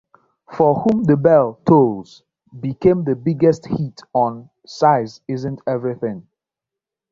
"For Whom the Bell Tolls" became the biggest hit on "Size Isn't Everything".